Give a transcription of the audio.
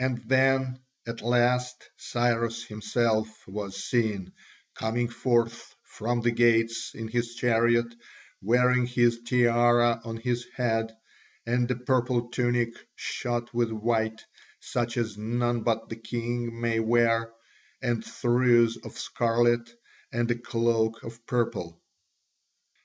And then at last Cyrus himself was seen, coming forth from the gates in his chariot, wearing his tiara on his head, and a purple tunic shot with white, such as none but the king may wear, and trews of scarlet, and a cloak of purple.